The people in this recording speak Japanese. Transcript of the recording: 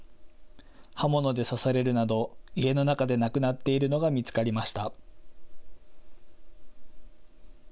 刃物で刺されるなど家の中で亡くなっているのが見つかりました。